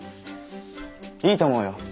いいと思うよ。